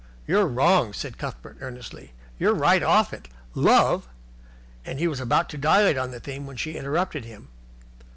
"You're wrong," said Cuthbert, earnestly. "You're right off it. Love " And he was about to dilate on the theme when she interrupted him.